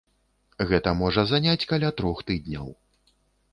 Гэта можа заняць каля трох тыдняў.